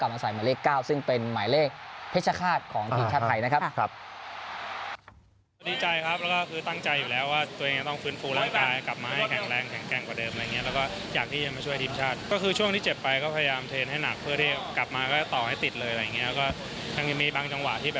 แค่ต่อให้ติดเลยอะไรอย่างเงี้ยก็ทั้งมีบางจังหวะที่แบบว่าต้องขวับอีกนิดน้อย